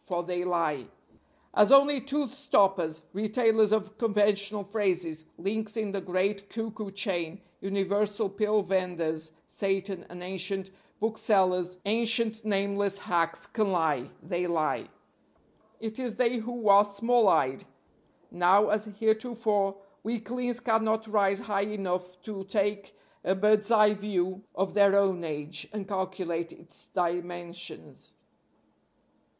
For they lie. As only tooth stoppers, retailers of conventional phrases, links in the great cuckoo chain, universal pill venders, Satan, and ancient booksellers' ancient nameless hacks can lie, they lie. It is they who are small eyed. Now, as heretofore, weaklings cannot rise high enough to take a bird's eye view of their own age, and calculate its dimensions.